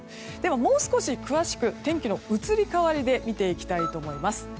もう少し詳しく天気の移り変わりで見ていきたいと思います。